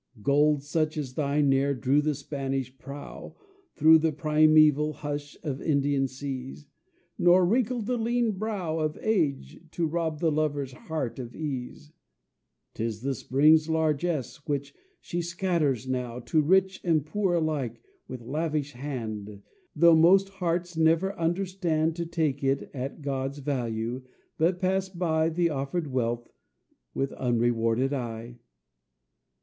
Gold such as thine ne'er drew the Spanish prow Through the primeval hush of Indian seas, Nor wrinkled the lean brow Of age, to rob the lover's heart of ease; 'Tis the spring's largess, which she scatters now To rich and poor alike, with lavish hand, Though most hearts never understand To take it at God's value, but pass by The offered wealth with unrewarded eye.